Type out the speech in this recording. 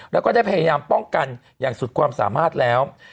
แล้วก็ได้พยายามป้องกันอย่างสุดความสามารถแล้ว